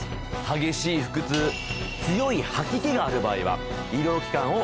激しい腹痛強い吐き気がある場合は。